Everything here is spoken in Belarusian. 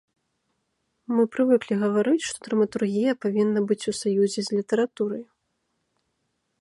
Мы прывыклі гаварыць, што драматургія павінна быць у саюзе з літаратурай.